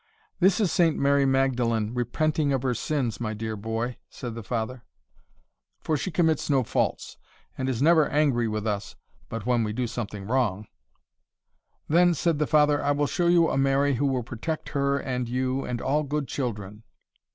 "This is Saint Mary Magdalen repenting of her sins, my dear boy," said the father. "That will not suit our Mary; for she commits no faults, and is never angry with us, but when we do something wrong." "Then," said the father, "I will show you a Mary, who will protect her and you, and all good children.